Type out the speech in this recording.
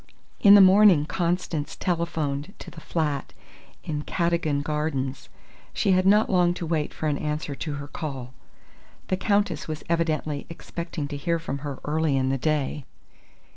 In the morning Constance telephoned to the flat in Cadogan Gardens. She had not long to wait for an answer to her call. The Countess was evidently expecting to hear from her early in the day.